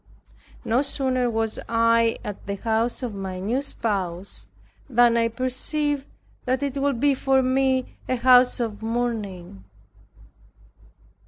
No sooner was I at the house of my new spouse, than I perceived that it would be for me a house of mourning.